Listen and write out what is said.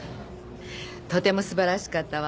とても素晴らしかったわ。